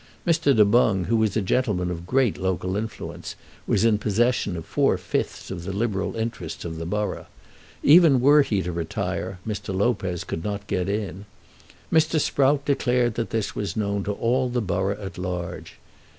Mr. Du Boung, who was a gentleman of great local influence, was in possession of four fifths of the Liberal interests of the borough. Even were he to retire Mr. Lopez could not get in. Mr. Sprout declared that this was known to all the borough at large.